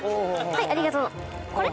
はいありがとう。これ。